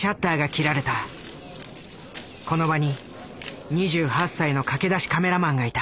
この場に２８歳の駆け出しカメラマンがいた。